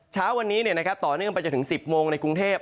เช้าวันนี้ต่อเนื่องไปจนถึง๑๐โมงในกรุงเทพ